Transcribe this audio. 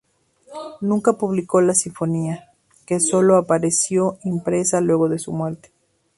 Nunca publicó la sinfonía, que sólo apareció impresa luego de su muerte.